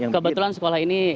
kebetulan sekolah ini